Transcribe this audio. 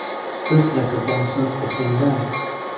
This led to tensions between them.